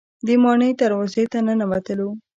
د ماڼۍ دروازې ته ننوتلو.